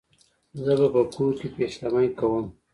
زه به په کور کې پیشمني کوم